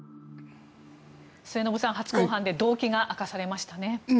末延さん、初公判で動機が明かされましたね。